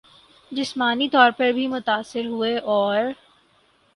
جسمانی طور پر بھی متاثر ہوئیں اور